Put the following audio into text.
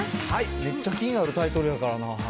めっちゃ気になるタイトルやからな。